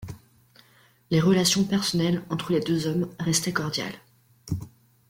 Les relations personnelles entre les deux hommes restaient cordiales.